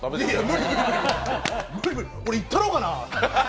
無理無理、これいったろうかな！